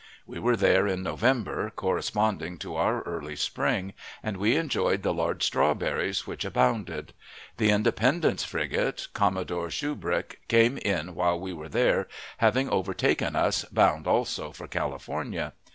We were there in November, corresponding to our early spring, and we enjoyed the large strawberries which abounded. The Independence frigate, Commodore Shubrick, came in while we were there, having overtaken us, bound also for California.